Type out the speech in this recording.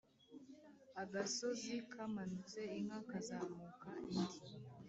Agasozi kamanutse inka kazamuka indi.